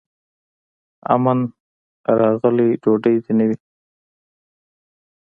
امن راغلی ډوډۍ دي نه وي